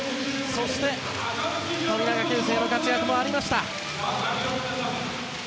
そして、富永啓生の活躍もありました。